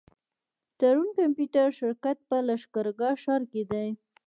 تړون کمپيوټر شرکت په لښکرګاه ښار کي دی.